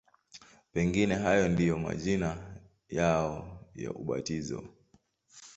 Pengine hayo ndiyo majina yao ya ubatizo.